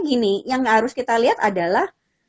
gini yang harus kita lihat adalah